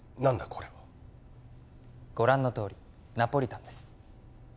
これはご覧のとおりナポリタンです